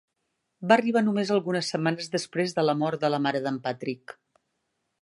Va arribar només algunes setmanes després de la mort de la mare d'en Patrick.